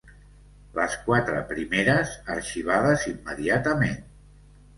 Les quatre primeres, arxivades immediatament.